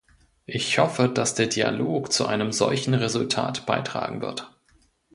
Ich hoffe, dass der Dialog zu einem solchen Resultat beitragen wird.